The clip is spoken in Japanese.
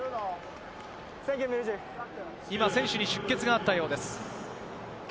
今、選手に出血があったようです。